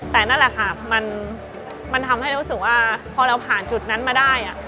แต่นั่นแหละค่ะมันทำให้เรารู้สึกว่าพอเราผ่านจุดนั้นมาได้